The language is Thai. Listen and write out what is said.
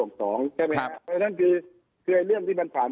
เพราะฉะนั้นคือเรื่องที่มันผ่าน